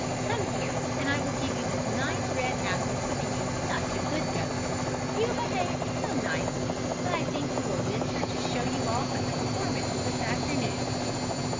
Come here, and I will give you this nice red apple for being such a good goat. You behaved so nicely that I think we will venture to show you off at the performance this afternoon."